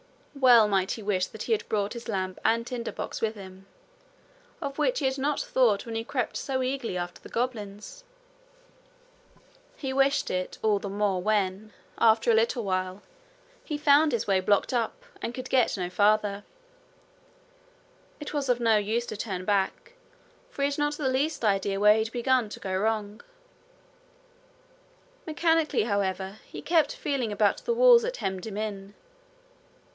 Well might he wish that he had brought his lamp and tinder box with him, of which he had not thought when he crept so eagerly after the goblins! He wished it all the more when, after a while, he found his way blocked up, and could get no farther. It was of no use to turn back, for he had not the least idea where he had begun to go wrong. Mechanically, however, he kept feeling about the walls that hemmed him in.